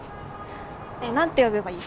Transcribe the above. ねえなんて呼べばいい？